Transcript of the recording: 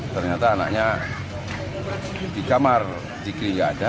ternyata anaknya di kamar jikri yang ada